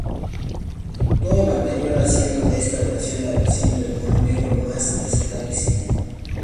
Todo lo anterior haciendo de esta versión, la versión de humor negro más esclarecida.